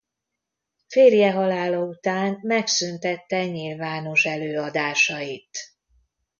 Férje halála után megszüntette nyilvános előadásait.